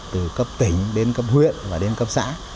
từ cấp tỉnh đến cấp huyện và đến cấp xã